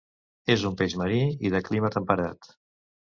És un peix marí i de clima temperat.